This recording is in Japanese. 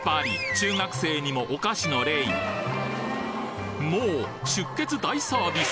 中学生にもお菓子のレイもう出血大サービス！